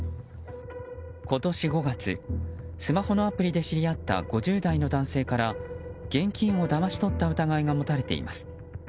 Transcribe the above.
今年５月スマホのアプリで知り合った５０代の男性から現金をだまし取った疑いが持たれています。